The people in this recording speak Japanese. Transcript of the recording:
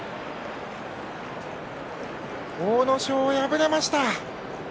阿武咲、敗れました。